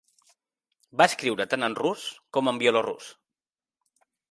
Va escriure tant en rus com en bielorús.